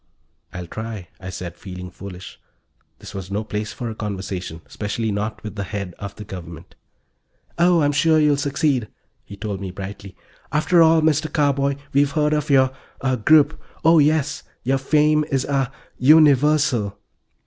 "I'll try," I said, feeling foolish. This was no place for a conversation especially not with the head of the Government. "Oh, I'm sure you'll succeed," he told me brightly. "After all, Mr. Carboy, we've heard of your ... ah ... group. Oh, yes. Your fame is ... ah ... universal."